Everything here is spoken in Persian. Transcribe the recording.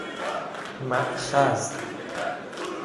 ماخذ